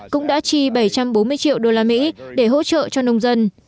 cũng đã chi bảy trăm bốn mươi triệu đô la mỹ để hỗ trợ cho nông dân